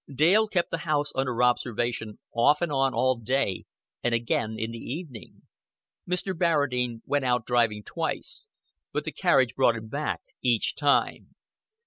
Dale kept the house under observation off and on all day, and again in the evening. Mr. Barradine went out driving twice; but the carriage brought him back each time.